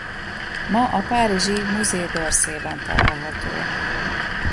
Ma a párizsi Musée d’Orsayban található.